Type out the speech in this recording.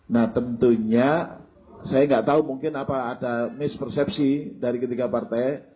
nah tentunya saya nggak tahu mungkin apa ada mispersepsi dari ketiga partai